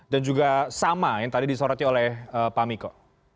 dan juga sama yang tadi disoroti oleh pak miko